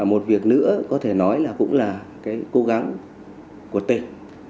một việc nữa có thể nói là cũng là cái cố gắng của tỉnh